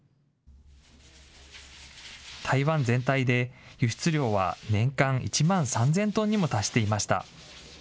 台湾全体で輸出量は年間１万３０００トンにも達していました。